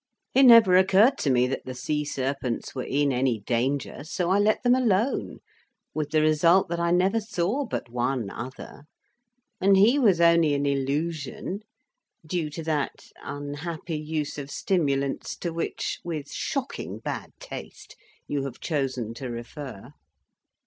It never occurred to me that the sea serpents were in any danger, so I let them alone, with the result that I never saw but one other, and he was only an illusion due to that unhappy use of stimulants to which, with shocking bad taste, you have chosen to refer."